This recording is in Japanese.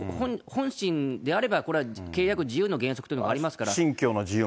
本心であればこれは契約自由の原則というのがありますから。